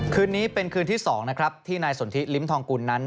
คืนนี้เป็นคืนที่๒ที่นายสนธิริมทองกุลนั้น